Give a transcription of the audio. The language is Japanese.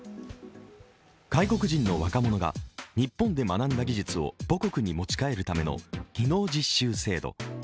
外国人の若者が日本で学んだ技術を母国に持ち帰るための技能実習制度。